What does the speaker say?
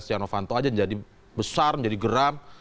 stiano vanto aja jadi besar jadi geram